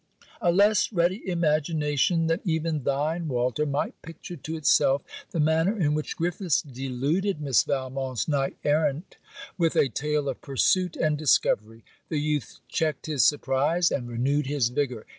A less ready imagination than even thine, Walter, might picture to itself the manner in which Griffiths deluded Miss Valmont's knight errant with a tale of pursuit and discovery. The youth checked his surprise, and renewed his vigour.